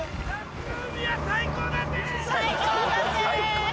最高だぜ。